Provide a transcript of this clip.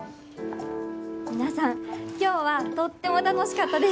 皆さん今日はとっても楽しかったです。